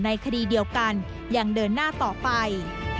คดีเดียวกันยังเดินหน้าต่อไป